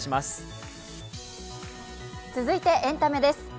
続いてエンタメです。